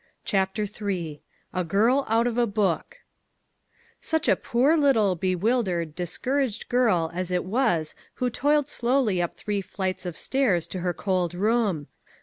CHAPTER III " A GIRL OUT OF A BOOK " SUCH a poor little, bewildered, discour aged girl as it was who toiled slowly up three flights of stairs to her cold room!